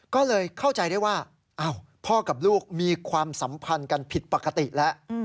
ก็เลยเข้าใจได้ว่าพ่อกับลูกมีความสัมพันธ์กันผิดปกติแล้ว